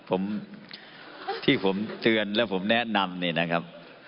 ผมที่ผมเตือนและผมแนะนำเนี่ยนะครับ